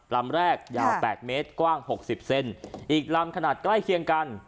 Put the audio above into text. ลำแรกยาวแปดเมตรกว้าง๖๐เซนอีกลำขนาดใกล้เคียงกัน